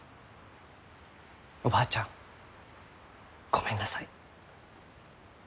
おばあちゃんごめんなさい。